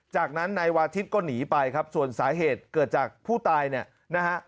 จากนั้นนายวาทิศก็หนีไปครับส่วนสาเหตุเกิดจากผู้ตายเนี่ยนะฮะ